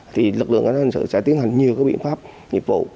thì lực lượng an toàn sự sẽ tiến hành nhiều các biện pháp nhiệm vụ